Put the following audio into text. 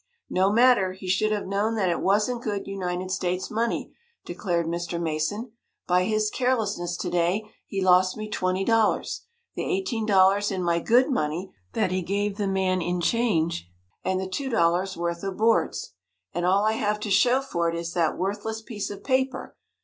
"No matter, he should have known that it wasn't good United States' money!" declared Mr. Mason. "By his carelessness to day he lost me twenty dollars; the eighteen dollars in my good money that he gave the man in change, and the two dollars worth of boards. And all I have to show for it is that worthless piece of paper!"